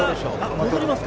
戻りますか？